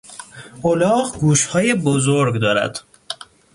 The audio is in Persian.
الاغ گوشهای بزرگ دارد.